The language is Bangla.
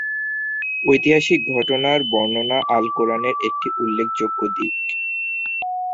ঐতিহাসিক ঘটনার বর্ণনা আল-কুরআনের একটি উল্লেখযোগ্য দিক।